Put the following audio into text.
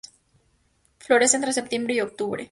Florece entre septiembre y octubre.